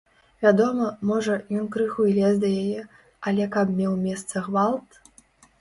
Вядома, можа, ён крыху і лез да яе, але каб меў месца гвалт?